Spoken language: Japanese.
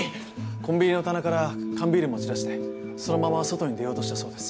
コンビニの棚から缶ビール持ち出してそのまま外に出ようとしたそうです。